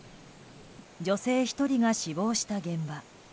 女性１人が死亡した現場。